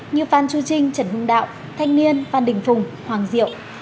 như phan chu trinh trần hưng đạo thanh niên phan đình phùng hoàng diệu